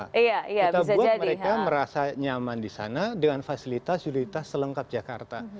kita buat mereka merasa nyaman di sana dengan fasilitas fasilitas selengkap jakarta